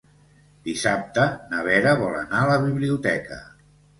Dissabte na Vera vol anar a la biblioteca.